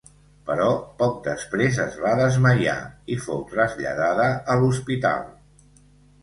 Però poc després es va desmaiar, i fou traslladada a l’hospital.